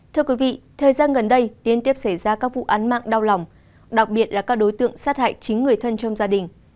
thưa quý vị thời gian gần đây liên tiếp xảy ra các vụ án mạng đau lòng đặc biệt là các đối tượng sát hại chính người thân trong gia đình